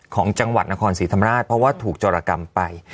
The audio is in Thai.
ของจังหวัดนครศรีธรรมราชเพราะว่าถูกจรกรรมไป